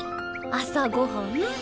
朝ごはん。